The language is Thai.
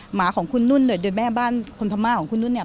หมาของคุณนุ่นเลยโดยแม่บ้านคนพม่าของคุณนุ่นเนี่ย